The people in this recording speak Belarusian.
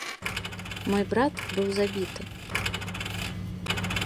Мой брат быў забіты.